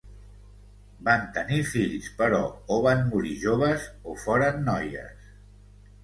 Van tenir fills però o van morir joves o foren noies.